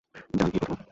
যা, গিয়ে কথা বল।